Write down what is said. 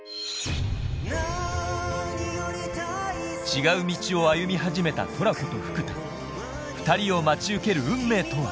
違う道を歩み始めたトラコと福多２人を待ち受ける運命とは？